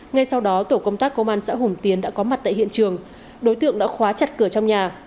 ngay sau đó tổ công tác công an xã hùng tiến đã có mặt tại hiện trường đối tượng đã khóa chặt cửa trong nhà